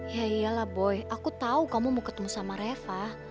ya iyalah boy aku tahu kamu mau ketemu sama reva